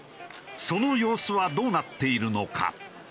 その様子はどうなっているのか？